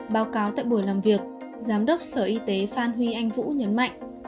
báo cáo tại buổi làm việc giám đốc sở y tế phan huy anh vũ nhấn mạnh